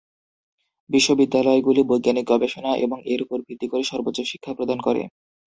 বিশ্ববিদ্যালয়গুলি বৈজ্ঞানিক গবেষণা এবং এর উপর ভিত্তি করে সর্বোচ্চ শিক্ষা প্রদান করে।